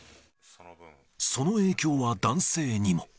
その影響は男性にも。